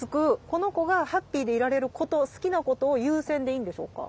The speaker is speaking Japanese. この子がハッピーでいられること好きなことを優先でいいんでしょうか？